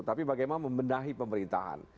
tapi bagaimana membenahi pemerintahan